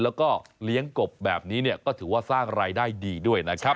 แล้วก็เลี้ยงกบแบบนี้เนี่ยก็ถือว่าสร้างรายได้ดีด้วยนะครับ